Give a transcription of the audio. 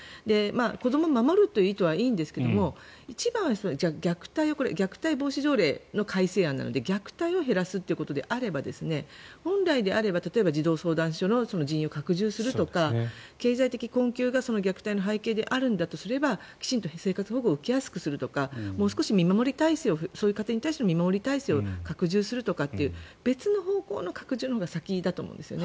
子どもを守るという意図はいいんですけれど一番は虐待防止条例の改正案なので虐待を減らすということであれば本来だったら例えば児童相談所の人員を拡充するとか経済的困窮が虐待の背景であるんだとすればきちんと生活保護を受けやすくするとかもう少しそういう家庭への見守り体制を拡充するとかっていう別の方向の拡充のほうが先だと思うんです。